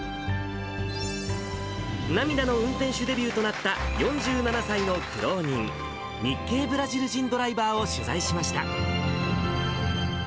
涙の運転手デビューとなった４７歳の苦労人、日系ブラジル人ドライバーを取材しました。